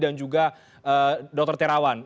dan juga dr terawan